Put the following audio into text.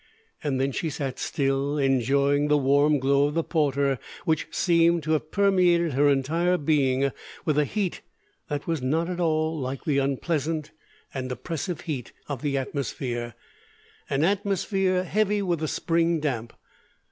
Then she sat still, enjoying the warm glow of the porter, which seemed to have permeated her entire being with a heat that was not at all like the unpleasant and oppressive heat of the atmosphere, an atmosphere heavy with the spring damp.